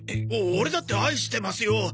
オレだって愛してますよ。